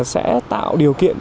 sẽ tạo điều kiện